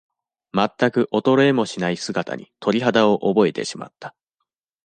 まったく衰えもしない姿に、鳥肌を覚えてしまった。